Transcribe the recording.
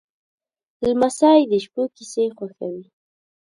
لمسی د شپو کیسې خوښوي.